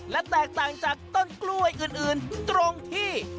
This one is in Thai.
และแตกต่างจากต้นกล้วยอื่นตรงที่